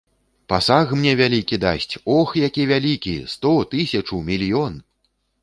Пасаг мне вялікі дасць, ох, які вялікі!—сто, тысячу, мільён.